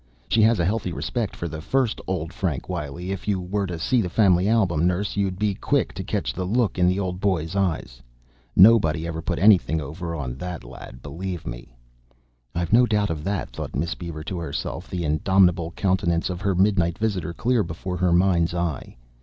"She has a healthy respect for the first old Frank Wiley. If you were to see the family album, nurse, you'd be quick to catch the look in the old boy's eyes. Nobody ever put anything over on that lad, believe me." "I've no doubt of that," thought Miss Beaver to herself, the indomitable countenance of her midnight visitor clear before her mind's eye.